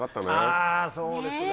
あそうですね。